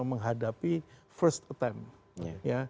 untuk menghadapi first attempt